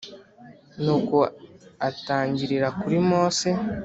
Nuko atangirira kuri Mose